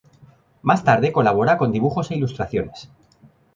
Más tarde colabora con dibujos e ilustraciones.